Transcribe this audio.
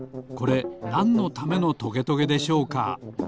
これなんのためのトゲトゲでしょうか？